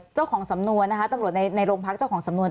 เจ้าของสำนวนนะคะตำรวจในโรงพักเจ้าของสำนวน